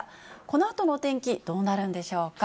このあとのお天気、どうなるんでしょうか。